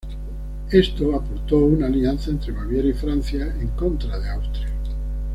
Esto aportó una alianza entre Baviera y Francia en contra de Austria.